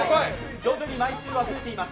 徐々に枚数が増えています。